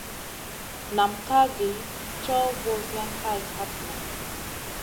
Nam ká gi caw ɓosiyona hay hatna.